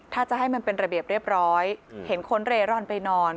ถ้าจะให้มันเป็นระเบียบเรียบร้อยเห็นคนเรร่อนไปนอน